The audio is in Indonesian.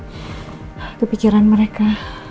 itu pikiran mereka